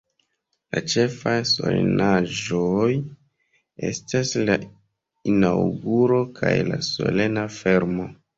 La ĉefaj solenaĵoj estas la Inaŭguro kaj la Solena Fermo.